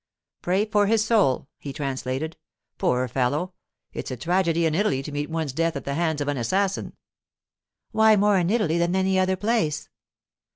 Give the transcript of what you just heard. Pray for his soul,' he translated. 'Poor fellow! It's a tragedy in Italy to meet one's death at the hands of an assassin.' 'Why more in Italy than in any other place?